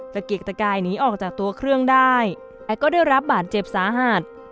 เกกตะกายหนีออกจากตัวเครื่องได้แต่ก็ได้รับบาดเจ็บสาหัส